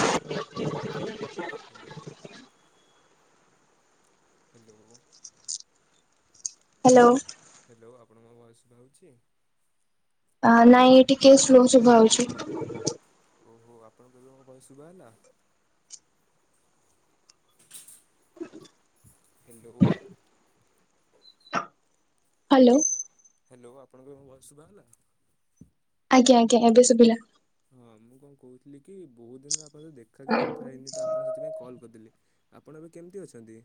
[inaudible] Hello hello. Hello ଆପଣଙ୍କୁ ମୋ voice ଶୁଭାଯାଉଛି? ନାଇଁ ଟିକେ ସ୍ଲୋ ଶୁଭା ହଉଛି। ଓହୋ, ଆପଣଙ୍କୁ ଏବେ ମୋ ଭଏସ ଶୁଭାହେଲା। ହାଲୋ। ହାଲୋ। ହାଲୋ ଆପଣଙ୍କୁ, ଏବେ ମୋ ଭଏସ ଶୁଭା ହେଲା ଆଜ୍ଞା ଆଜ୍ଞା ଏବେ ସୁୁଭିଲା। ହଁ ମୁଁ କଣ କହୁଥିଲି କି -ବହୁତ ଦିନରେ ଆପଣ ସ ଦେଖାକି କଥା ହେଇନି ତ ଆଣ ସେଥିପାଇଁ କଲ୍ କରିଦେଲି, ଆପଣ ଏବେ କେମିତି ଅଛନ୍ତି?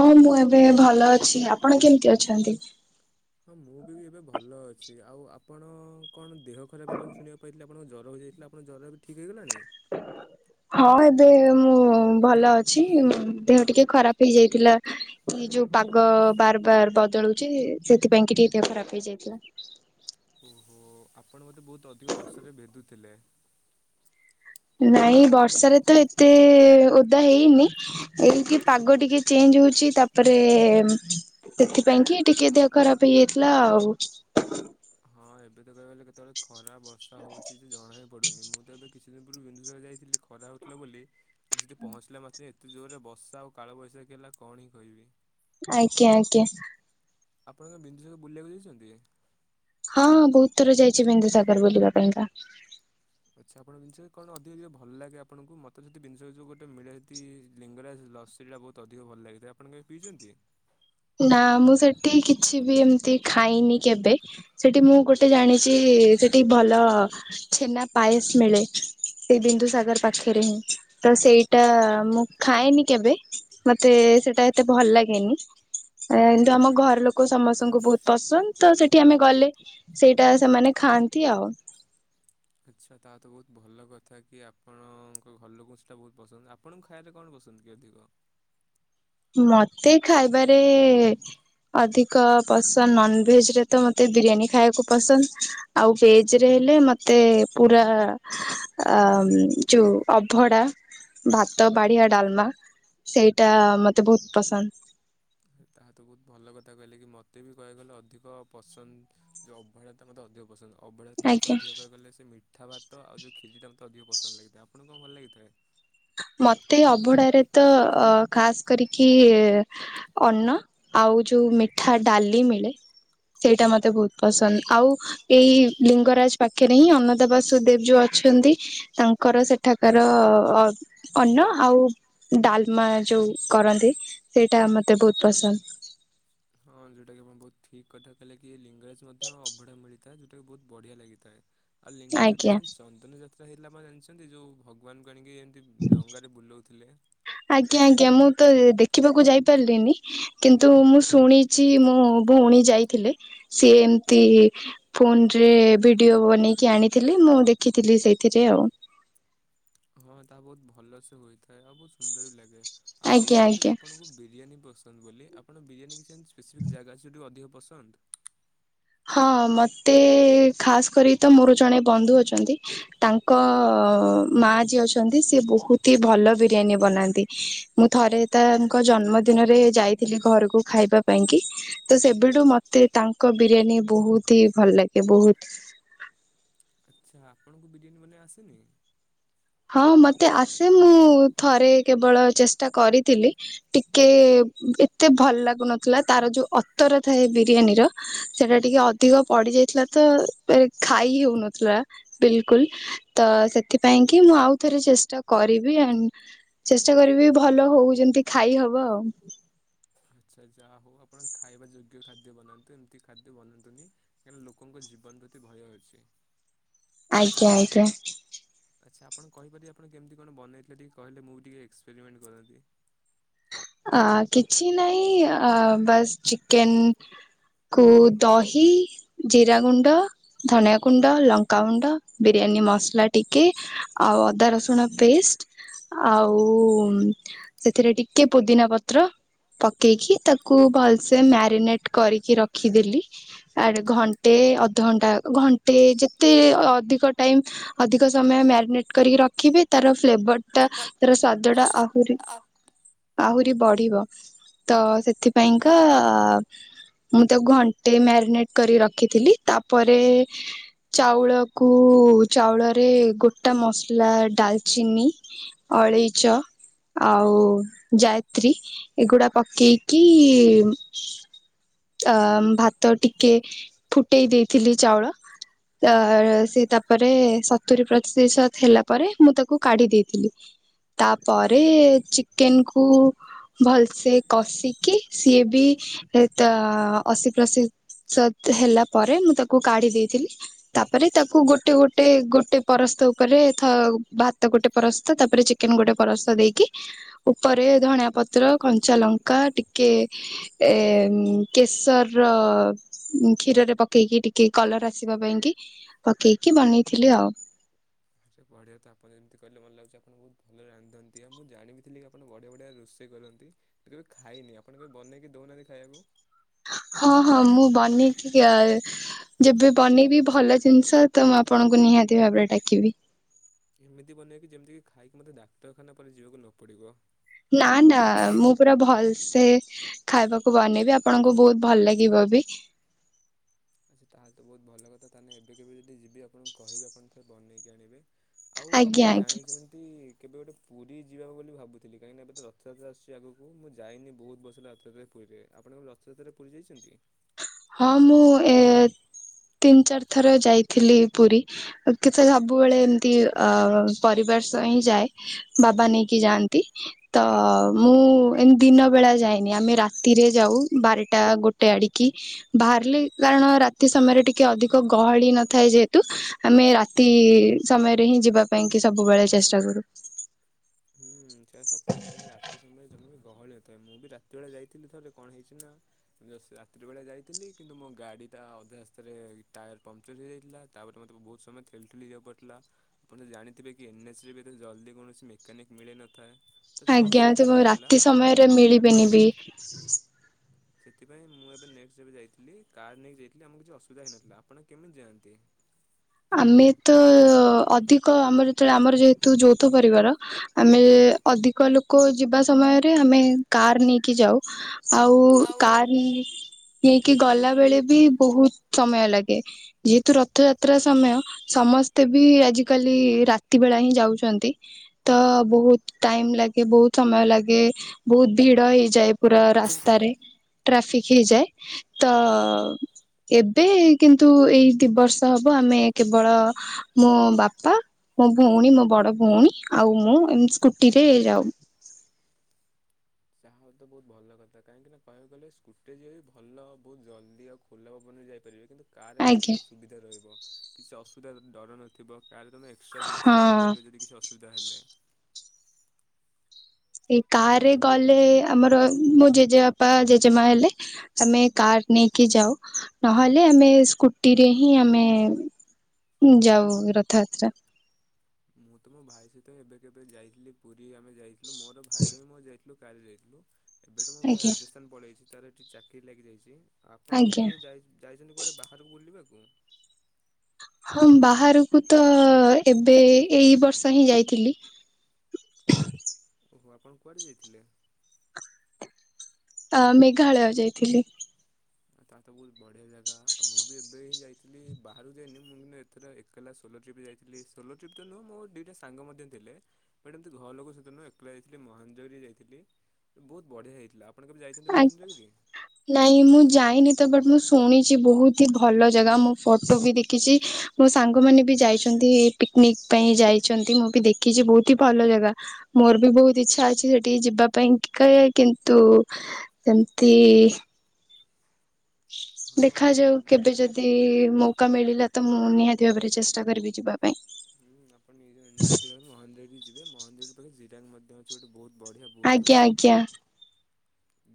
ହଁ ମୁଁ ଏବେ ଭଲ ଅଛି, ଆପଣ କେମିତି ଅଛନ୍ତି? ହଁ ମୁଁ ବି ଏବେ ଭଲ ଅଛି ଆଉ ଆପଣ କଣ ଦେହ ଖରାପ ହେଲେ ମୁ ଶୁଣିବାକୁ ପାଇଥିଲି? ଆପଣ ଜ୍ୱର ହୋଇଯାଇଥିଲା ଆପଙ୍କ ଜର ଠିକ ହେଇଗଲାଣି? ହଁ ଏବେ ମୁଁ ଭଲ ଅଛି ଦେହ ଟିକେ ଖରାପ ହେଇଯାଇଥିଲା। ଯୋଉ ପାଗ ବାର ବାର ବଦଳୁଛି ସେଥିପାଇଁ କି ଟିକେ ଦେହ ଖରାପ ହେଇଯାଇଥିଲା। ଓହୋ ଆପଣ ମୋତେ ବହୁତ ଅଧିକ ବର୍ଷାରେ ଭିଦୁଥିଲେ? ନାଇଁ ବର୍ଷାରେ ତ ଏତେ ଓଦା ହେଇନି ଏ କିି ପାଗ ଟିକେ ଚେଞ୍ଜ ହଉଛି ତାପରେ ସେଥିପାଇଁ କି ଟିକେ ଦେହ ଖରାପ ହେଇଯାଇଥିଲା ଆଉ। ହଁ ଏବେ ତ କହିବାଲେ କେତେବେଳେ ଖରା ବର୍ଷା ହଉଛି ଯେ ଜଣା ବି ପଡୁନି ମୁଁ ତ ଏବେ କିଛି ଦିନ ପୂର୍ବ ବିନ୍ଦୁସର ଯାଇଥିଲେ ଖରା ହେଉଥିଲା ବୋଲି ସେ ପହଞ୍ଚିଲା ମାତ୍ରେ ଏତେ ଜୋରରେ ଵର୍ଷା ଆଉ କାଳ ବ ବୈଶାଖୀ ହେଲା କଣ ହିଁ କହିବି? ଆଜ୍ଞା ଆଜ୍ଞା। ଆପଣଙ୍କ କେବେ ବିନ୍ଦୁସାଗର ବୁଲିବାକୁ ଯାଇଛନ୍ତି? ହଁଁ ହଁ ବହୁତ ଥର ଯାଇଛି ବିନ୍ଦୁସାଗର ବୁଲିବା ପାଇଁକା। ଆଛା ଆପଣ ବିନ୍ଦୁସାଗର ରେ କଣ ଅଧିକ ଭଲ ଲାଗେ ଆପଣଙ୍କୁ ମତେ ଯଦି ଜିନିଷ ଗୋଟ ମିଲେ ତି ଲିଙ୍ଗରାଜ ଲସି ଟା ବହୁତ ଅଧିକ ଭଲ ଲାଗିଥାଏ ଆପଣ କେବେ ପିଇଛନ୍ତି? ନା ମୁଁ ସେଠି କିଛି ବି ଏମିତି ଖାଇନି କେବେ ସେଠି ମୁଁ ଗୋଟେ ଜାଣିଛି ଏ ସେଠି ଭଲ ଛେନା ପାଏସ ମିଳେ। ସେ ବିନ୍ଦୁ ସାଗର ପାଖରେ ହିଁ ତ ସେଇଟା ମୁଁ ଖାଏନି କେବେ ମତେ ସେଇଟା ଏତେ ଭଲ ଲାଗେନି। ଏନ୍ତି ଆମ ଘର ଲୋକ ସମସ୍ତଙ୍କୁ ବହୁତ ପସନ୍ଦ ତ ସେଠି ଆମେ ଗଲେ ସେଇଟା ସେମାନେ ଖାଆନ୍ତି ଆଉ। ଆଚ୍ଛା ତା ତ ବହୁତ ଭଲ କଥା କି ଆପଣଙ୍କ ଘର ଲୋକଙ୍କୁ ସେଇଟା ବହୁତ ପସନ୍ଦ ଆପଣଙ୍କୁ ଖାଇବାରେ କଣ ପସନ୍ଦ? [unintelligible] ମତେ ଖାଇବାରେ ଅଧିକ ପସନ୍ଦ ନନ ଭେଜ ରେ ତ ମତେ ବିରିୟାନୀ ଖାଇବାକୁ ପସନ୍ଦ ଆଉ ଭେଜ ରେ ଲେ ମତେ ପୁରା ଯଉ ଅଭଡ଼ା ଭାତ ବାଡ଼ିଆ ଡାଲମା ସେଇଟା ମତେ ବହୁତ ପସନ୍ଦ। ତାହା ତ ବହୁତ ଭଲ କଥା କହିଲେ କି ମୋତେ ବି କହିବାକୁ ଗଲେ ଅଧିକ ପସନ୍ଦ ଯେଉଁ ଅବଢା ତ ମୋତେ ଅଧିକ ପସନ୍ଦ। ଅବଢା ମୋତେ ଆଜ୍ଞା ଅଧିକ କହିବାକୁ ଗଲେ ସେ ମିଠା ଭାତ ଆଉ ଯୋଉ ଖିରିଟା ମୋତେ ଅଧିକ ପସନ୍ଦ ଲାଗିଥାଏ ଆ ଆପଣଙ୍କୁ କଣ ଭଲ ଲାଗିଥାଏ? ମତେ ଅବଢାରେ ତ ଖାସ୍ କରିକି ଅନ୍ନ ଆଉ ଆଉ ଯୋଉ ମିଠା ଡାଲି ମିଳେ ସେଇଟା ମତେ ବହୁତ ପସନ୍ଦ ଆଉ ଏଇ ଲିଙ୍ଗରାଜ ପାଖରେ ହିଁ ଅନନ୍ତ ବାସୁଦେବ ଯୋଉ ଅ ଅଛନ୍ତି ତାଙ୍କର ସେଠାକାର ଅ ଅନ୍ନ ଆଉ ଡାଲମା ଯୋଉ କରନ୍ତି ସେଇଟା ମତେ ବହୁତ ପସନ୍ଦ। [inaudible] ହଁ ଯୋଉଟାକି ଆପଣ ବହୁତ ଠିକ୍ କଥା କହିଲେ କି ଲିଙ୍ଗରାଜ ମଧ୍ୟ ଅବଢା ମିଳିଥାଏ ଯୋଉଟାକି ବହୁତ ବଢ଼ିଆ ଲାଗିଥାଏ। ଆଉ ଲିଙ୍ଗରାଜ ଯୋଉଠି ଆଜ୍ଞା ଅଛନ୍ତି ଚନ୍ଦନ ଯାତ୍ରା ହେଇଥିଲା ଆପଣ ଜାଣିଛନ୍ତି ଯୋଉ ଭଗବାନ ଆଣିକି ଏମିତି ଡଙ୍ଗାରେ ବୁଲଉଥିଲେ। ଆଜ୍ଞା ଆଜ୍ଞା ମୁଁ ତ ଦେଖିବାକୁ ଯାଇପାରିଲିନି କିନ୍ତୁ ମୁଁ ଶୁଣିଛି ମୋ ଭଉଣୀ ଯାଇଥିଲେ। ସିଏ ଏମିତି ଫୋନରେ ଭିଡିଓ ବନେଇକି ଆଣିଥିଲି ମୁଁ ଦେଖିଥିଲି ସେଇଥିରେ। [unintelligible] ହଁ ତା ବହୁତ ଭଲସେ ହୋଇଥାଏ। ଥାଏ ଆଉ ବହୁତ ସୁନ୍ଦର ବି ଲାଗେ ଆପଣ ଯୋଉ ଆଜ୍ଞା କହୁଥିଲେ କି ଆଜ୍ଞା ଆପଣଙ୍କୁ ବିରିୟାନୀ ପସନ୍ଦ ବୋଲି ଆପଣ ବିରିୟାନୀ କିଛି ଏମିତି ସ୍ପେସିଫିକ୍ ଜାଗା ଅଛି ଯୋଉଟାକି ଅଧିକ ପସନ୍ଦ? ହଁ ମତେ ଖାସ୍ କରି ତ ମୋର ଜଣେ ବନ୍ଧୁ ଅଛନ୍ତି ତାଙ୍କ ଅ ମା ଯିଏ ଅଛନ୍ତି ସିଏ ବହୁତି ହି ଭଲ ବିରିୟାନୀ ବନାନ୍ତି ମୁଁ ଥରେ ତାଙ୍କ ଜନ୍ମ ଦିନରେ ଯାଇଥିଲି ଘରକୁ ଖାଇବା ପାଇଁକି ତ ସେବେଠୁ ମତେ ତାଙ୍କ ବିରିୟାନୀ ବହୁତି ହି ଭଲ ଲାଗେ ବହୁତ। ଆଚ୍ଛା ଆପଣଙ୍କୁ ବିରିୟାନୀ ବନେଇ ଆସେନି? ହଁ ମତେ ଆସେ ମୁଁ ଥରେ କେବଳ ଚେଷ୍ଟା କରିଥିଲି ଟିକେ ଏତେ ଭଲ ଲାଗୁନଥିଲା ତାର ଯୋଉ ଅତର ଥାଏ ବିରିୟାନୀର ସେଟା ଟିକେ ଅଧିକ ପଡିଯାଇଥିଲା ତ ଖାଇ ହେଉନଥିଲା ବିଲକୁଲ ତ ସେଥିପାଇଁ କି ମୁଁ ଆଉ ଥରେ ଚେଷ୍ଟା କରିବି ଏଣ୍ଡ୍ ଚେଷ୍ଟା କରିବି ଭଲ ହଉ ଯେମିତି ଖାଇହବ ଆଉ [inaudible] ଆଚ୍ଛା ଯାହା ହଉ ଆପଣ ଖାଇବା ଯୋଗ୍ୟ ଖାଦ୍ୟ ବନାନ୍ତୁ ଏମିତି ଖାଦ୍ୟ ବନାନ୍ତୁନି, କାହିଁକିନା ଲୋକଙ୍କ ଜୀବ ଜୀବନ ପ୍ରତି ଭୟ ଅଛି। ଆଜ୍ଞା ଆଜ୍ଞା। ଆଚ୍ଛା ଆପଣ କହିପାରିବେ ଆପଣ କେମିତି କଣ ବନେଇଥିଲେ ଟିକେ କହିଲେ ମୁଁ ବି ଟିକେ ଏକ୍ସପେରିମେଣ୍ଟ କରନ୍ତି। ଆ କିଛି ନାହିଁ ଆ ବାସ୍ ଚିକେନ୍ କୁ ଦହି, ଜିରାଗୁଣ୍ଡ, ଧନିଆଗୁଣ୍ଡ, ଲଙ୍କାଗୁଣ୍ଡ ବିରିୟାନୀ ମସଲା ଟିକେ ଆଉ ଅଦା ରସୁଣ ପେଷ୍ଟ ଆଉ ସେଥିରେ ଟିକେ ପୁଦିନା ପତ୍ର ପକେଇକି ତାକୁ ଭଲସେ ମ୍ୟାରିନେଟ୍ କରିକି ରଖିଦେଲି। ଆର୍ ଘଣ୍ଟେ ଣ୍ଟେ ଅଧଘଣ୍ଟା ଘଣ୍ଟେ ଯେତେ ଅଧିକ ଟାଇମ୍ ଅଧିକ ସମୟ ମ୍ୟାରିନେଟ୍ କରିକି ରଖ ରଖିବେ ତାର ଫ୍ଲେଭରଟା ତାର ସ୍ଵାଦଟା ଆହୁରି ଆହୁରି ବଢିବ। ତ ସେଥିପାଇଁକା ଆ ମୁଁ ତାକୁ ଘଣ୍ଟେ ମ୍ୟାରିନେଟ୍ କରି ରଖିଥିଲି ତାପରେ ଚାଉଳକୁ ଚାଉଳରେ ଗୋଟା ମସଲା ଡାଲଚିନି ଅଳେଇଚ ଆଉ ଯାୟତ୍ରୀ ଏଗୁଡା ପକେଇକି ଅ ଭାତ ଟିକେ ଫୁଟେଇ ଦେଇଥିଲି ଚାଉଳ ତ ସେ ତାପରେ ସତୁରିୀ ପ୍ରତିଶତ ହେଲା ପରେ ମୁଁ ତାକୁ କାଢି ଦେଇଥିଲି। ତାପରେ ଚିକେନ୍ କୁ ଭଲସେ କଷିକି ସିଏ ବି ତ ଅଶୀ ପ୍ରଶିଶତ ହେଲା ପରେ ମୁଁ ତାକୁ କାଢି ଦେଇଥିଲି, ତାପରେ ତାକୁ ଗୋଟେ ଗୋଟେ ଗୋଟେ ପରସ୍ତ ଉପରେ ରେ ଭାତ ଗୋଟେ ପରସ୍ତ ତାପରେ ଚିକେନ ଗୋଟେ ପରସ୍ତ ଦେଇକି ଉ ପରେ ଧଣିଆ ପତ୍ର କଞ୍ଚା ଲଙ୍କା ଟିକେ ଏ କେଶର ର ଅ କ୍ଷୀରରେ ପକେଇକି ଟିକେ କଲର ଆସିବା ପାଇଁ କି ପକେଇକି ବନେଇଥିଲି ଆଉ। [inaudible] ଆଚା ବଢିଆ ତ ଆପଣ ଯେମତି କହିଲେ ମତେ ଲାଗୁଚି ଆପଣ ବହୁତ ଭଲ ରାନ୍ଧନ୍ତି, ଆଉ ମୁଁ ଜଣିବିଥିଲି କିପଣ ବଢିଆଢିଆ ରୋଷେଇ ଇ ପାରନ୍ତି, କେବେ ଖାଇନି ଆପଣ କେବେ ବନେଇକି ଦଉନାହାନ୍ତି ଖାଇବାକୁ? ହଁ ହଁ ମୁଁ ବନେଇକିକ କ ଯେବେ ବନେଇବି ଭଲ ଜିନିଷ ତ ମୁଁ ଆପଣଙ୍କୁ ନିହା ହାତି ଭାବରେ ଡାକିବି। ଏମିତି ବନେଇବେ କି ଯେମିତିକି ଖାଇକି ମତେ ଡାକ୍ତରଖାନା ପରେ ଯିବାକୁ ନ ପଡ଼ିବ। ନା ନା ମୁଁ ପୁରା ଭଲ ସେ ଖାଇବାକୁ ବନେଇବି ଆପଣଙ୍କୁ ବହୁତ ଭଲ ଲାଗିବ ବି। ଆଚ୍ଛା ତାହେଲେ ତ ବହୁତ ଭଲ କଥା ତାହେଲେ ଏବେ କେବେ ଯଦି ଯିବି ଆପଣଙ୍କୁ କହିବେ ଆପଣ ଥରେ ବନେଇକି ଆଣିବେ। ଆଉ ଆଜ୍ଞା ଆପଣ ଆଜ୍ଞା ଜାଣିଚନ୍ତି? କେବେ ଗୋଟେ ପୁରୀ ଯିବାକୁ ବୋଲି ଭାବୁଥିଲି କାହିକିନା ଏବେ ତ ରଥଯାତ୍ରା ଆସୁଚି ଆଗକୁ ମୁଁ ଯାଇନି ବହୁତ ବର୍ଷ ହେଲା ରଥଯାତ୍ରା ପୁରୀ ରେ, ଆପଣ କେବେ ରଥଯାତ୍ରା ପୁରୀ ଯାଇଚନ୍ତି? ହଁ ମୁଁ ଏ ତିନି ଚାରି ଥର ଯାଇଥିଲି ପୁରୀ କିନ୍ତୁ ସେ ସବୁବେଳେ ଏମତି ଅ ପରିବ ରସ ହିଁ ଯାଏ ବାବା ନେଇକି ଯାଆନ୍ତି ତ ମୁଁ ଏମତି ଦିନ ବେଳା ଯାଏ। ନି, ଆମେ ରାତିରେ ଯାଉ ବାରଟା ଗୋଟେ ଆଡିକି। ବାହାରିଲି କାରଣ ରାତି ସମୟରେ ଟିକେ ଅଧିକ ଗହଳି ନଥାଏ ଯେହେତୁ ଆମେ ରାତି ସମୟରେ ହିଁ ଯିବା ପାଇଁ କି ସବୁବେଳେ ଚେଷ୍ଟା କରୁ। ହୁଁ ସେଇଟ ସତ କଥା, କ ରାତି ସମୟ ଜମ ଗହଳିଥାଏ, ମୁଁ ବି ରାତି ବେଳେ ଯାଇଥିଲି ଥରେ କଣ ହେଇଛି ନା, ରାତି ବେଳେ ଯାଇଥିଲି, କିନ୍ତୁ ମୋ ଗାଡି ଏଇଟା ଅଧା ରାସ୍ତାରେ ଟାୟାର ପଙ୍କଚର ହେଇଯାଇଥିଲା ତାପରେ ମତେ ବହୁତ ସମୟ ଠେଲି ଠେଲି ଯିବାକୁ ପଡିଥିଲା, ଜାଣିଥିବେ କି ଏନ୍ଏଚ ରେ ବି ତ ଜଲ୍ଦି କୌଣସି ମେକାନିକ ମିଳିନଥାଏ। ତ ଟିକେ ଆଜ୍ଞା, ତ ଅସୁବିଧା ମୁଁ ହେଇଥିଲା ରାତି ସମୟରେ ମିଳିବିନି ବି ସେଥିପାଇଁ ମୁଁ ଏବେ ନେକ୍ସଟ ଏବେ ଯାଇଥିଲି, କାର୍ ନେଇକି ଯାଇଥିଲି, ଆମକୁ କିଛି ଅସୁବିଧା ହେଇନଥିଲା, ଆପଣ କେମିତି ଯାଆନ୍ତି? ଆମେ ତ ଅଧିକ ଆମର ଯେତେବେଳେ ଆମର ଯେହେତୁ ଯୌଥ ପରିବାର ଆମେ ଅଧିକ ଲୋକ ଯିବା ସମୟରେ, ଆମେ କାର ନେଇକି ଯାଉ। ଆଉ କାର ହେଇକି ଗଲା ବେଳେ ବି ବହୁତ ସମୟ ଲାଗେ, ଯେହେତୁ ରଥଯାତ୍ରା ଯାତ୍ରା ସମୟ, ସମସ୍ତେ ବି ଆଜିକାଲି ରାତି ବେଳା ହିଁ ଯାଉଛନ୍ତି ତ ବହୁତ ଟାଇମ ଲାଗେ, ବହୁତ ସମୟ ଲାଗେ, ବହୁତ ଭିଡ ହେଇଯାଏ ପୁରା ରାସ୍ତାରେ। ଟ୍ରାଫିକ ହେଇଯାଏ, ତ ଏବେ କିନ୍ତୁ ଏଇ ଦିବର୍ଷ ହବ ଆମେ କେବଳ ମୋ ବାପା ମୋ ଭଉଣୀ, ମୋ ବଡ ଭଉଣୀ, ଆଉ ମୁଁ ଏ ସ୍କୁଟିରେ ଯାଉ। ହ [inaudible] ଚାହା ତ ବହୁତ ଭଲ କଥା, କାହିଁକିନା କହିବାକୁ ଗଲେ ସ୍କୁଟିର ଯଏ ବି ଭଲ ବହୁତ ଜଲ୍ଦି ଆଉ ଖୋଲା ପବନ ବି ଯାଇପାରିବେ, କିନ୍ତୁ କାର୍ ଗଲେ ଆଜ୍ଞା ମଧ୍ୟ ସୁବିଧା ରହିବ, କିଛି ଅସୁବିଧା ଡର ନଥିବ। କାେଲେ ତମେ ଏକ୍ସଟ୍ରା ଜିନିଷ ବି ହଁ ନେଇପାରିବ ଯଦ କି ଅସୁବିଧା ହେଲେ। ଏଇ କାରରେ ଯୋଉଟା ଗଲେ ଆମର ମୋ ଜେଜେବାପା, ଜେଜେମା ହେଲେ ଆମେ କାର ନେଇକି ଯାଉ, ନହେଲେ ଆମେ ସ୍କୁଟିରେ ହିଁ ଆମେ ଯାଉ ରଥଯାତ୍ରା। ମୁଁ ତ ମୋ ଭାଇ ସହିତ ଏବେ କେବେ ଯାଇଥିଲି ପୁରୀ ଆମେ ଯାଇଥିଲୁ, ମୋର ଭାଇ ର ହିଁ [unintelligible] ମଁ ଯାଇଥିଲି। କାରେୁ [unintelligible] ଆଜ୍ଞା। ରେ ଟିକେ ଚାକିରି ଲାଗିଯାଇଛି, ଆପଣ ଏମିତି ଆଜ୍ଞା କେବେ ଯ ଯାଇଛନ୍ତି କୁଆଡେ ବାହାରକୁ ବୁଲିବାକୁ। ଗୁ [inaudible] ହଁ ବାହାରକୁ ତ ଏବେ ଏଇ ବର୍ଷ ହିଁ ଯାଇଥିଲି। ଓହୋ, ଆପଣ କୁଆଡେ ଯାଇଥିଲେ? ଅ ମେଘାଳୟ ଯାଇଥିଲି। ତା ତ ବହୁତ ବଢିଆ ଜାଗା, ମୁଁ ଏବେ ହିଁ ଯାଇଥିଲି ବାହାରୁ ଯାଇନି, ମୁଁ ଏଥର ଏକଲା ସତ ସୋଲୋ ଟ୍ରପ୍ ଯାଇଥିଲ ସୋଲୋ ଟ୍ରପ ତ ନୁହ, ଦୁଇଟା ସାଙ୍ଗ ମଧ୍ୟ ଥିଲେ ବଟ ଏମିତି ଘର ଲୋକ ସହିତ ନୁହଁ ଏକଲା ଯାଇଥିଲ ମ ମଞ୍ଜରିୀ ଯାଇଥିଲି, ବହୁତ ବଢ଼ିଆ ହେଇଥିଲା। ଆପଣ କେବେ ଯାଇଛନ୍ତି ଆଜ୍ଞା ମହେନ୍ଦ୍ରଗିରି? ନାଇଁ ମୁଁ ଯାଇନି ତ ବଟ ମୁଁ ଶୁନିଛି, ତ ହି ଭଲ ଜାଗା, ମୁଁ ଫଟୋ ବି ଦେଖିଛି, ମୋ ସାଙ୍ଗ ମାନେ ବି ଯାଇଛନ୍ତି ପିକନିକ ପାଇଁ ଯାଇଛନ୍ତି ମୁଁ ବି ଦେଖିଛି ବହୁତ ଭଲ ଜାଗା, ମୋର ବି ବହୁତ ଚାଲିଛି ସେଠିକି ଯିବା ପାଇଁ, କି କହେ କିନ୍ତୁ ସେମିତି ହଁ ଦେଖାଯାଉ, ମହେ କେବେ ଯଦି ମୋ ଧ ମିଳିଲା ତ ମୁଁ ନିହାତି ଭାବରେ ଚେଷ୍ଟା କରିବି ଯିବା ପାଇଁ। ହୁଁ ଆପଣ ନଜ ନିହାତି ଭାବେ ମହାନ୍ଦେରୀ ଯିବେ ମନ୍ଦେର ପାଖେ ଜିିରାଲ ମଧ୍ୟ ଅଛି ଗୋଟେ ବହୁତ [unintelligible] ବଢ଼ିଆ ବୌଦ୍ଧ ଆଜ୍ଞା ସ୍ତୂପ। ଆଜ୍ଞା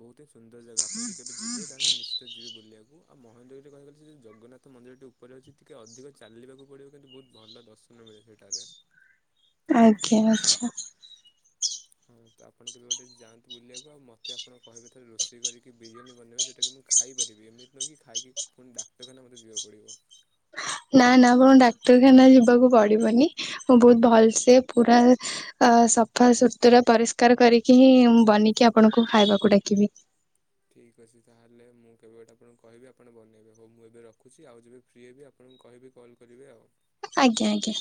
ବହୁତ ହିଁ ସୁନ୍ଦର ଜାଗା ଆପଣ ଯଦି କେବେ ଯିବେ ତାହେଲେ ନିଶ୍ଚିତ ଯିବେ ବୁଲିବାକୁ। ଆଉ ମହେନ୍ଦଗିରିରେ [unintelligible] କ କହିଗଲେ ସେଉ ଜଗନ୍ନାଥ ମନ୍ଦିରଟି ଉପରେ ଅଛିି ଟିକେ ଅଧିକ ଚାଲିବାକୁ ପଡ଼ିବ କିନ୍ତୁ ବହୁତ ଭଲ ଦର୍ଶନ। ମିଳେ ସେଇଟା ଆଗେ। ଆଜ୍ଞା ଆଛା। ହ ତ ଆପଣ କେବେ ଗୋଟେ ଯାଆନ୍ତ ବୁଲିବାକୁ ଆଉ ମୋତେ ଆପଣ କହିବେ ଥରେ ରୋଷେଇ କରିକି ବିରିୟାନୀ ବନେଇବେ, ଯେଉଁଟା କି ମୁଁ ଖାଇ ଏମିତି ନ କି ଖାଇକି ପୁଣି ଡାକ୍ତରଖାନା ମତେ ଯିବାକୁ ପଡିବ। ନା ନା ଆପଣ ଡାକ୍ତରଖାନା ଯିବାକୁ ପଡିବନି, ମୁଁ ବହୁତ ଭଲସେ ପୁରା ଅ ସଫାସତୁରା, ପରିଷ୍କାର କରିକି ହିଁ ବନିକି ଆପଣଙ୍କୁ ଖାଇବାକୁ ଡାକିବି। ଠିକ୍ ଅଛି ତାହେଲେ ମୁଁ କେବେଗୋଟେ ଆପଣଙ୍କୁ କହିବି ଆପଣ ବନେଇବେ ହଉ ମୁଁ ଏବେ ରଖୁଚି ଆଉ ଯେବେ ଫ୍ରି ହେବି ଆପଣ କହିବି କଲ୍ କରିବି ଆଉ। ଆଜ୍ଞା ଆଜ୍ଞା।